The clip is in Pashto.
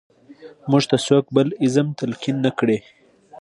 موږ ته څوک بل ایزم تلقین نه کړي.